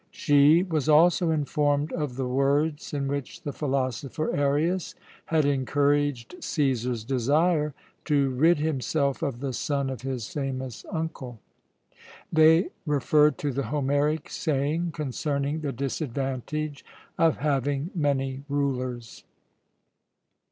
She was also informed of the words in which the philosopher Arius had encouraged Cæsar's desire to rid himself of the son of his famous uncle. They referred to the Homeric saying concerning the disadvantage of having many rulers.